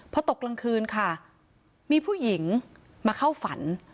พอตกกลางคืนค่ะมีผู้หญิงมาเข้าฝัน